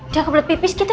dia kebelet pipis gitu